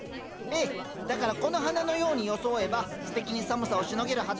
ええだからこの花のように装えばすてきに寒さをしのげるはずですよ。